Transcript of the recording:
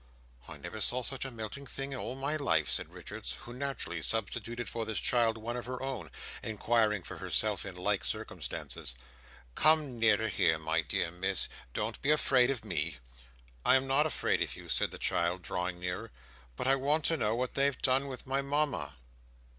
"I never saw such a melting thing in all my life!" said Richards, who naturally substituted for this child one of her own, inquiring for herself in like circumstances. "Come nearer here, my dear Miss! Don't be afraid of me." "I am not afraid of you," said the child, drawing nearer. "But I want to know what they have done with my Mama."